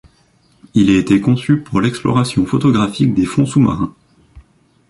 Il a été conçu pour l'exploration photographique des fonds sous-marins.